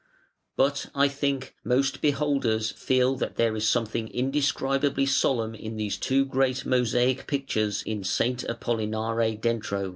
But, I think, most beholders feel that there is something indescribably solemn in these two great mosaic pictures in S. Apollinare Dentro.